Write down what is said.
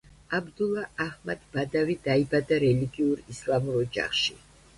აბდულა აჰმად ბადავი დაიბადა რელიგიურ ისლამურ ოჯახში.